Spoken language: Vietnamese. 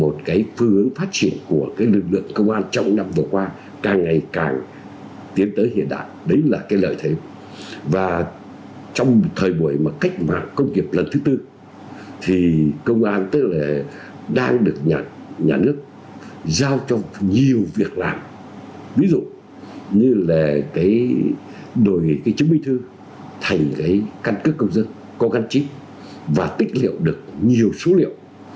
một cái phương hướng phát triển của cái lực lượng công an trong năm vừa qua càng ngày càng tiến tới hiện đại đấy là cái lợi thế và trong thời buổi mà cách mạng công nghiệp lần thứ tư thì công an tức là đang được nhà nước giao cho nhiều việc làm ví dụ như là cái đổi cái chứng minh thư thành cái căn cứ công dân có căn trích và tích liệu được nhiều số liệu